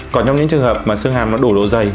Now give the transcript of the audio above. còn trong những trường hợp mà xương hàm nó đủ độ dày